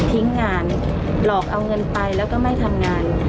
ทิ้งงานหลอกเอาเงินไปแล้วก็ไม่ทำงาน